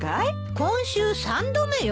今週３度目よ。